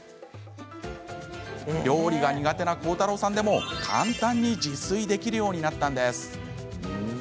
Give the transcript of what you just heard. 料理が苦手な広太郎さんでも簡単に自炊できるようになったんです。